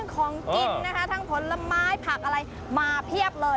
ของกินพลไม้ผักอะไรมาเพียบเลย